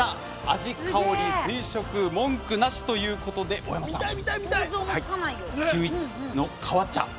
味、香り、水色文句なしということで大山さん、キウイの皮茶